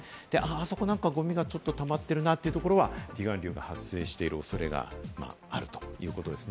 あそこ、なんかゴミがちょっとたまってるなってところが、いわゆる離岸流が発生している恐れがあるということです。